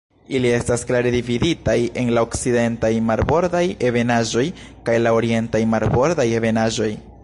Ili estas klare dividitaj en la Okcidentaj Marbordaj Ebenaĵoj kaj la Orientaj Marbordaj Ebenaĵoj.